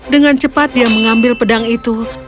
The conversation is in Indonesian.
dengan cepat dia mengambil pedang itu